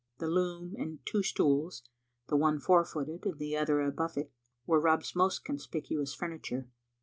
The loom, and two stools, the one four footed and the other a buffet, were Rob's most conspicuous furniture.